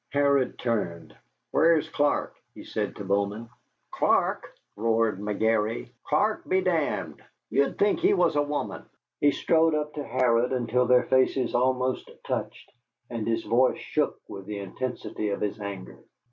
Harrod turned. "Where's Clark?" he said to Bowman. "Clark!" roared McGary, "Clark be d d. Ye'd think he was a woman." He strode up to Harrod until their faces almost touched, and his voice shook with the intensity of his anger.